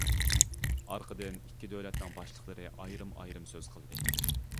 ئارقىدىن ئىككى دۆلەتنىڭ باشلىقلىرى ئايرىم ئايرىم سۆز قىلدى.